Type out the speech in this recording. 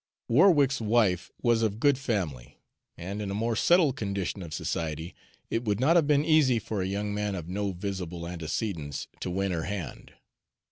Warwick's wife was of good family, and in a more settled condition of society it would not have been easy for a young man of no visible antecedents to win her hand.